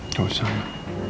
gak usah mama